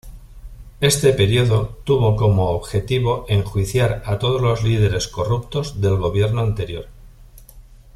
Este período tuvo como objetivo enjuiciar a todos los líderes corruptos del gobierno anterior.